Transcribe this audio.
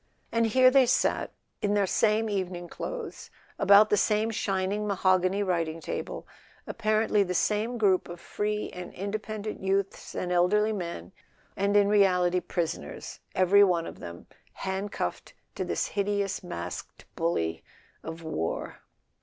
And here they sat in their same evening clothes, about the same shining mahogany writing table, apparently the same group of free and independent youths and elderly men, and in reality prisoners, every one of [ 75 ] A SON AT THE FRONT them, hand cuffed to this hideous masked bully of "War"!